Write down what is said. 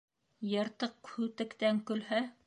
Йыртыҡ һүтектән көлһә.